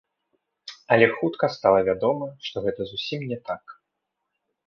Але хутка стала вядома, што гэта зусім не так.